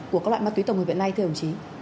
của các loại ma túy tổng hợp hiện nay thưa đồng chí